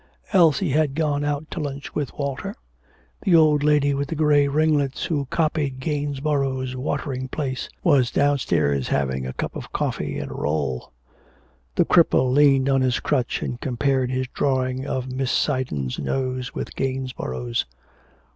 Elsie had gone out to lunch with Walter; the old lady with the grey ringlets, who copied Gainsborough's 'Watering Place,' was downstairs having a cup of coffee and a roll; the cripple leaned on his crutch, and compared his drawing of Mrs. Siddons's nose with Gainsborough's.